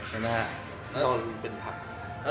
เห็นไหมครับ